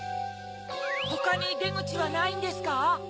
ほかにでぐちはないんですか？